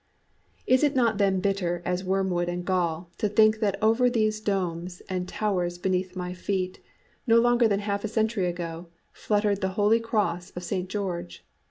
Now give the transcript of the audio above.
"Is it not then bitter as wormwood and gall to think that over these domes and towers beneath my feet, no longer than half a century ago, fluttered the holy cross of St. George!